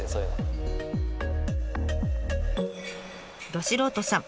ど素人さん